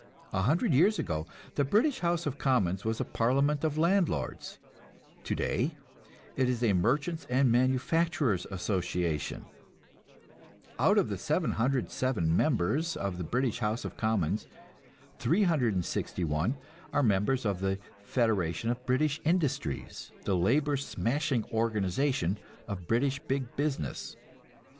A hundred years ago the British House of Commons was a parliament of landlords; today it is a Merchants' and Manufacturers' Association. Out of the 707 members of the British House of Commons, 361 are members of the "Federation of British Industries," the labor smashing organization of British "big business."